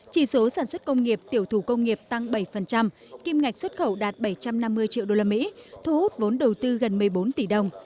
chỉ số sản xuất công nghiệp tiểu thủ công nghiệp tăng bảy kim ngạch xuất khẩu đạt bảy trăm năm mươi triệu usd thu hút vốn đầu tư gần một mươi bốn tỷ đồng